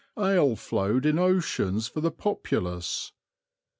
Ale flowed in oceans for the populace.